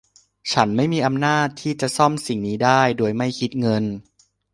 ฉันไม่มีอำนาจที่จะซ่อมสิ่งนี้ได้โดยไม่คิดเงิน